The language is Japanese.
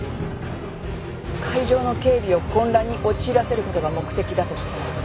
会場の警備を混乱に陥らせることが目的だとしたら。